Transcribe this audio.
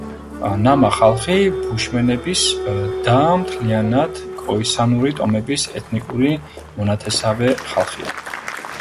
ნამა ხალხი ბუშმენების და მთლიანად კოისანური ტომების ეთნიკური მონათესავე ხალხია.